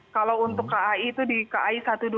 kalau untuk kai itu di kai satu ratus dua belas